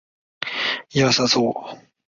殿试登进士第三甲第一百六十六名。